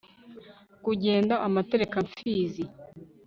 kugenda amaterekamfizi